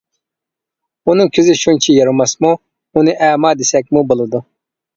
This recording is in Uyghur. -ئۇنىڭ كۆزى شۇنچە يارىماسمۇ؟ -ئۇنى ئەما دېسەكمۇ بولىدۇ.